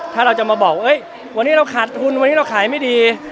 ถ้าเราจะมาบอกว่าวันนี้เราขาดทุนวันนี้เราขายไม่ดี